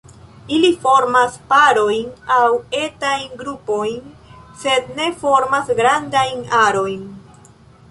Ili formas parojn aŭ etajn grupojn, sed ne formas grandajn arojn.